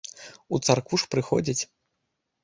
У царкву ж прыходзяць.